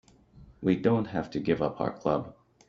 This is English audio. We don't have to give up our club.